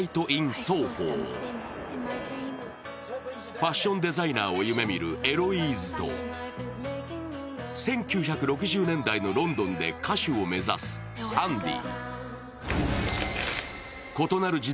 ファッションデザイナーを夢見るエロイーズと、１９６０年代のロンドンで歌手を目指すサンディ。